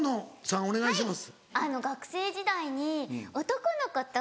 はい学生時代に男の子と。